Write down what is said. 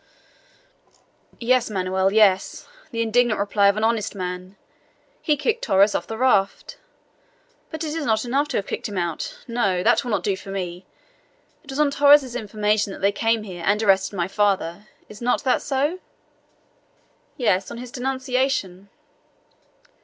"Yes, Manoel, yes! The indignant reply of an honest man. He kicked Torres off the raft. But it is not enough to have kicked him out. No! That will not do for me. It was on Torres' information that they came here and arrested my father; is not that so?" "Yes, on his denunciation."